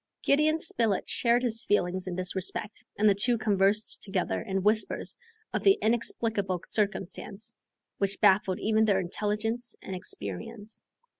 Gideon Spilett shared his feelings in this respect, and the two conversed together in whispers of the inexplicable circumstance which baffled even their intelligence and experience.